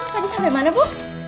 tadi sampai mana bu